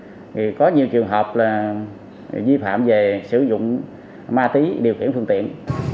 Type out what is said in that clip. thì có nhiều trường hợp là vi phạm về sử dụng ma túy điều khiển phương tiện